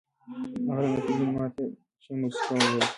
هغه د ناپلیون ماته شوې مجسمه ولیده.